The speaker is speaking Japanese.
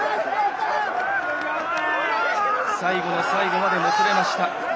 最後の最後までもつれました。